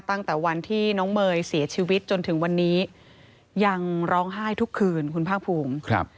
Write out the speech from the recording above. ตั้งแต่วันที่น้องเมย์เสียชีวิตจนถึงวันนี้ยังร้องไห้ทุกคืนคุณภาคภูมิครับ